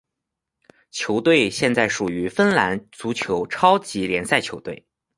球队现在属于芬兰足球超级联赛球队。